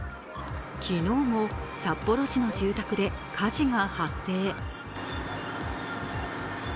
昨日も札幌市の住宅で火事が発生。